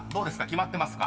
決まってますか？］